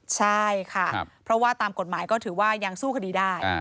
ใช่ค่ะเพราะว่าตามกฎหมายก็ถือว่ายังสู้คดีได้